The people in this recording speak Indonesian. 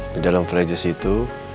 di dalam fridges itu